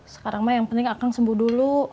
sekarang mah yang penting akan sembuh dulu